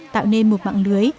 tạo nên một mạng lưới